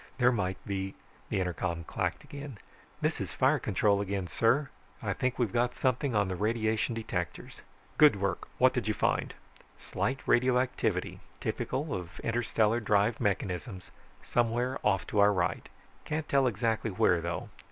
There might be ..." The intercom clacked. "This is fire control again, sir. I think we've got something on the radiation detectors." "Good work, what did you find?" "Slight radioactivity, typical of interstellar drive mechanisms, somewhere off to our right. Can't tell exactly where, though."